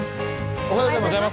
おはようございます。